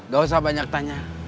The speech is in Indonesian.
gak usah banyak tanya